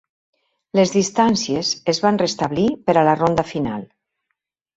Les distàncies es van restablir per a la ronda final.